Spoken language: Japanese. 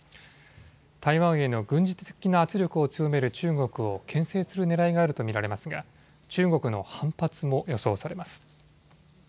台湾への軍事的な圧力を強める中国をけん制するねらいがあると見られますが中国の反発も予想されます。